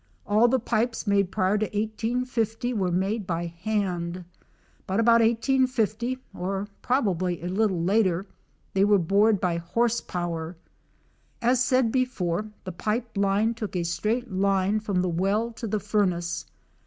All the pipes made prior to 1850 were made by hand, but about 1850 or probably a little later they were bored by horse power, As said before, the pipe line took a straight line from the well to the furnace.